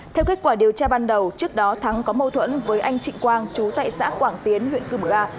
theo kết quả điều tra ban đầu trước đó thắng có mâu thuẫn với anh trịnh quang trú tại xã quảng tiến huyện cư mờ ga